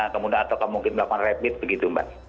kemudian atau mungkin melakukan rapid begitu mbak